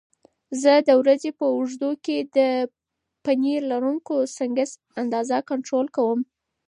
زه د ورځې په اوږدو کې د پنیر لرونکي سنکس اندازه کنټرول کوم.